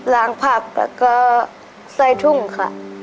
งผักแล้วก็ใส่ทุ่งค่ะ